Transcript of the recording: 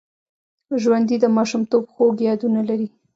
ژوندي د ماشومتوب خوږ یادونه لري